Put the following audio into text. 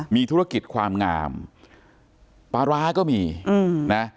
มีธุรกิจความงามปลาร้าก็มีนะ